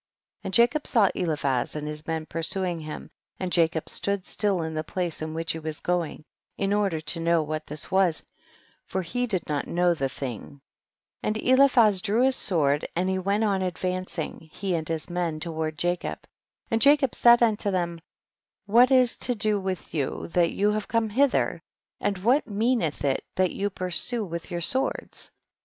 35. And Jacob saw Eliphaz and his men pursuing him, and Jacob stood still in the place in which he was going, in order to know what this was, for he did not know the thing ; and Eliphaz drew his sword and Jie went on advancing, he and his men, toward Jacob ; and Jacob said unto them, what is to do with you that you have come hither, and what meaneth it that you pursue with your swords.